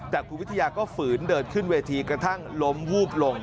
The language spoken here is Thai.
แต่คุณวิทยาก็ฝืนเดินขึ้นเวทีกระทั่งล้มวูบลง